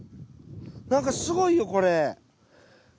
なんかすごいよこれ。